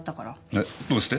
えどうして？